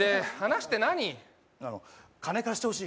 金貸してほしい。